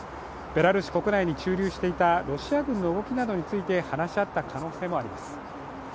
ベラルーシ国内に駐留していたロシア軍の動きなどについて話し合った可能性もあります。